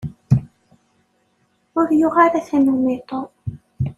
Ur yuɣ ara tanumi Tom.